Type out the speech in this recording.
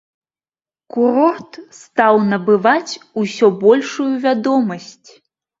Курорт стаў набываць усё большую вядомасць.